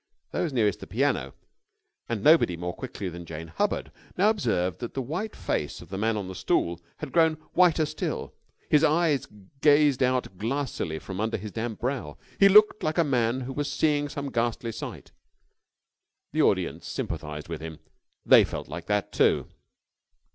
Those nearest the piano and nobody more quickly than Jane Hubbard now observed that the white face of the man on the stool had grown whiter still. His eyes gazed out glassily from under his damp brow. He looked like a man who was seeing some ghastly sight. The audience sympathised with him. They felt like that, too.